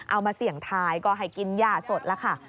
เอามาเสี่ยงทายก็ให้กินย่าสดแล้วค่ะ